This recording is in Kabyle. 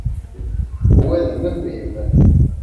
Wa d memmi-m.